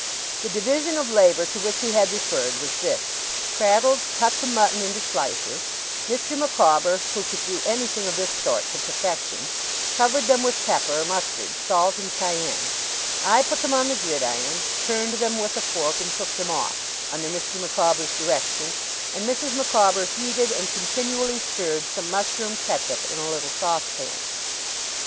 The division of labour to which he had referred was this: Traddles cut the mutton into slices; Mr. Micawber (who could do anything of this sort to perfection) covered them with pepper, mustard, salt, and cayenne; I put them on the gridiron, turned them with a fork, and took them off, under Mr. Micawber's direction; and Mrs. Micawber heated, and continually stirred, some mushroom ketchup in a little saucepan.